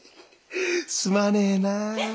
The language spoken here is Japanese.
すまねえなあ。